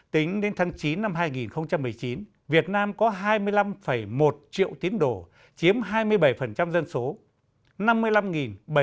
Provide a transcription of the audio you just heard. tính đến tháng chín năm hai nghìn một mươi chín việt nam có hai mươi năm một triệu tiến đồ chiếm hai mươi bảy dân số